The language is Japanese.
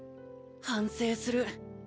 反省する。